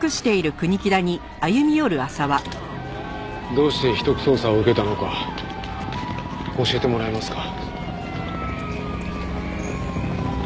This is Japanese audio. どうして秘匿捜査を受けたのか教えてもらえますか？